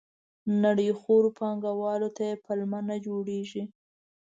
نړیخورو پانګوالو ته یې پلمه نه جوړېږي.